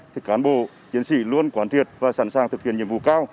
thì cán bộ chiến sĩ luôn quán triệt và sẵn sàng thực hiện nhiệm vụ cao